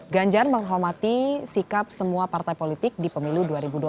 ganjar menghormati sikap semua partai politik di pemilu dua ribu dua puluh